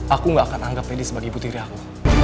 aku gak akan anggap lady sebagai putri aku